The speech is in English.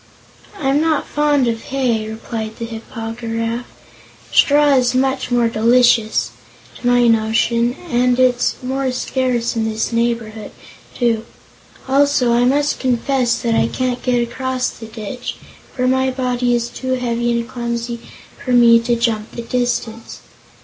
"I'm not fond of hay," replied the Hip po gy raf; "straw is much more delicious, to my notion, and it's more scarce in this neighborhood, too. Also I must confess that I can't get across the ditch, for my body is too heavy and clumsy for me to jump the distance.